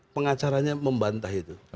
pengacaranya membantah itu